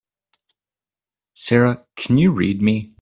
Sara can you read me?